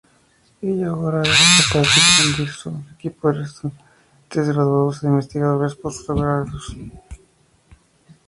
Ella ahora era capaz de expandir su equipo de estudiantes graduados e investigadores posdoctorales.